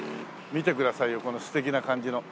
見てくださいよこの素敵な感じの。